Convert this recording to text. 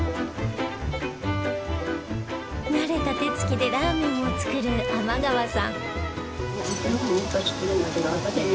慣れた手つきでラーメンを作る天川さん